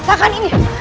tidak akan ini